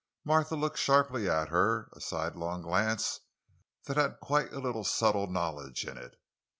Martha looked sharply at her, a sidelong glance that had quite a little subtle knowledge in it.